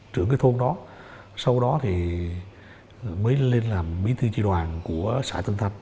trưởng cái thôn đó sau đó thì mới lên làm bí tư tri đoàn của xã tân thập